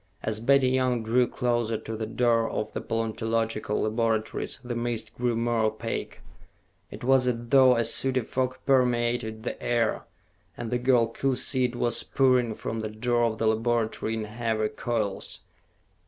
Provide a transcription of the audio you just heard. As Betty Young drew closer to the door of the paleontological laboratories, the mist grew more opaque. It was as though a sooty fog permeated the air, and the girl could see it was pouring from the door of the laboratory in heavy coils.